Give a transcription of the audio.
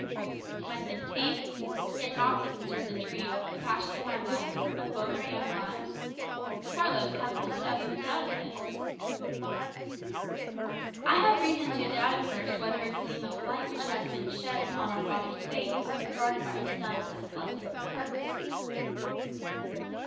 "My sympathy? In aught that concerned the dream, the passion of my life! of both our young lives! Carlos, how couldst thou even doubt of this?" "I had reason to doubt at first whether a gleam of light which has been shed upon our father's fate would be regarded by his son as a blessing or a curse."